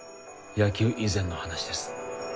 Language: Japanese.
野球以前の話です